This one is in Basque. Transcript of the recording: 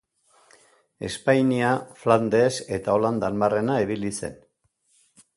Espainia, Flandes eta Holandan barrena ibili zen.